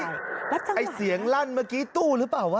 แล้วจังหวะนี้อะไรนะไอ้เสียงลั่นเมื่อกี้ตู้หรือเปล่าวะ